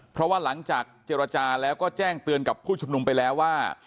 เพราะว่าหลังจากเจรจาแล้วก็แจ้งเตือนกับผู้ชุมนุมไปแล้วว่า